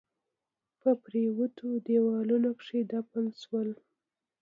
په پريوتو ديوالونو کښ دفن شول